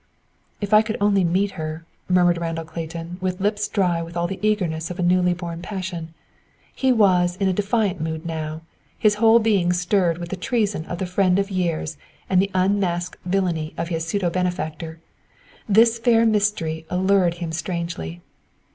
"If I could only meet her," murmured Randall Clayton, with lips dry with all the eagerness of a newly born passion. He was in a defiant mood now, his whole being stirred with the treason of the friend of years and the unmasked villainy of his pseudo benefactor. This fair mystery allured him strangely.